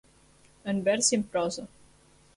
En vers i en prosa.